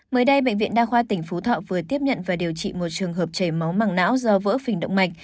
mới đây bệnh viện đa khoa tỉnh phú thọ vừa tiếp nhận và điều trị một trường hợp chảy máu màng não do vỡ phình động mạch